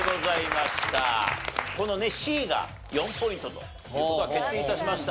このねＣが４ポイントという事が決定致しました。